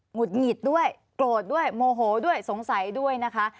ุดหงิดด้วยโกรธด้วยโมโหด้วยสงสัยด้วยนะคะ